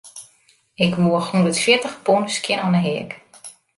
Ik woech hûndertfjirtich pûn skjin oan 'e heak.